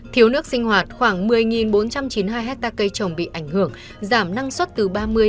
thiếu nước sinh hoạt khoảng một mươi bốn trăm chín mươi hai hectare cây trồng bị ảnh hưởng giảm năng suất từ ba mươi năm mươi